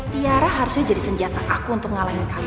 tiara harusnya jadi senjata aku untuk ngalahin kami